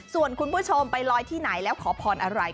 ส่วนคุณผู้ชมไปลอยที่ไหนแล้วขอพรอะไร